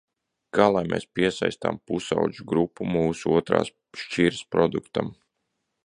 Kā lai mēs piesaistām pusaudžu grupu mūsu otrās šķiras produktam?